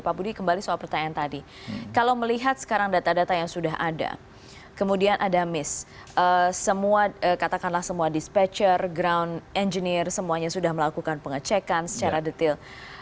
pak budi kembali soal pertanyaan tadi kalau melihat sekarang data data yang sudah ada kemudian ada miss katakanlah semua dispatcher ground engineer semuanya sudah melakukan pengecekan secara detail